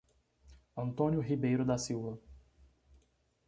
Antônio Ribeiro da Silva